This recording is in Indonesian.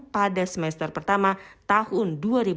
pada semester pertama tahun dua ribu dua puluh